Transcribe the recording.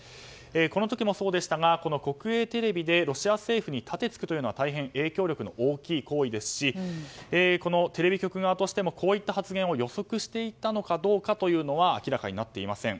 この時もそうでしたが国営テレビでロシア政府にたてつくというのは大変影響力大きい行為ですしテレビ局側としてもこういった発言を予測していたのかどうかは明らかになっていません。